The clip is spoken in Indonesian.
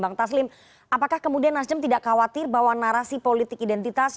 bang taslim apakah kemudian nasdem tidak khawatir bahwa narasi politik identitas